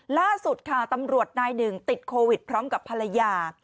ล่าสุดค่ะตำรวจนายหนึ่งติดโควิดพร้อมกับภรรยา